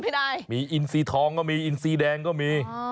มีอินทรีย์สีทองก็มีอินทรีย์สีแดงก็มี